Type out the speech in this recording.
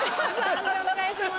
判定お願いします。